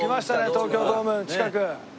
東京ドームの近く。